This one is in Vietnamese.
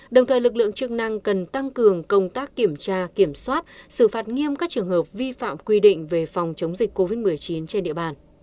đồng thời lực lượng chức năng cần tăng cường công tác kiểm tra kiểm soát xử phạt nghiêm các trường hợp vi phạm quy định về phòng chống dịch covid một mươi chín trên địa bàn